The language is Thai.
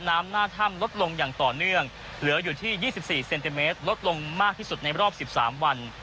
น้ำหน้าถ้ำลดลงอย่างต่อเนื่องเหลืออยู่ที่ยี่สิบสิบสิบเซนติเมตรลดลงมากที่สุดในรอบสิบสามวัน